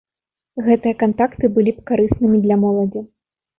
Гэтыя кантакты былі б карыснымі для моладзі.